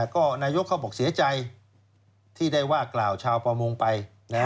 ก็นายกเขาบอกเสียใจที่ได้ว่ากล่าวชาวประมงไป